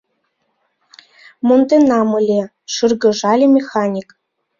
Монденам ыле, — шыргыжале механик.